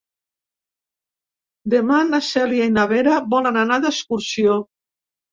Demà na Cèlia i na Vera volen anar d'excursió.